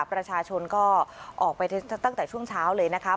ประชาชนก็ออกไปตั้งแต่ช่วงเช้าเลยนะคะ